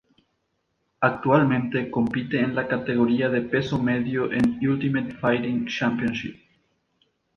Actualmente compite en la categoría de peso medio en Ultimate Fighting Championship.